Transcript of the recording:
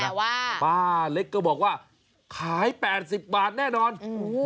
แต่ว่าป้าเล็กก็บอกว่าขายแปดสิบบาทแน่นอนอืม